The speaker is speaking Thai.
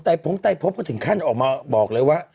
ทุกข้างข้างในหมดแล้ว